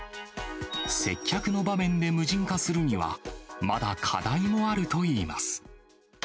接客の場面で無人化するには、まだ課題もあるといいます。